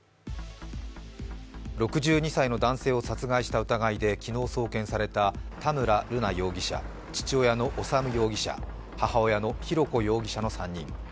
６２歳の男性を殺害した疑いで昨日送検された田村瑠奈容疑者、父親の修容疑者母親の浩子容疑者の３人。